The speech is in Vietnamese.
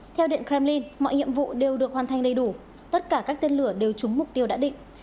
theo điện kremlin mọi nhiệm vụ đều được hoàn thành đầy đủ tất cả các tên lửa đều trúng mục tiêu đã định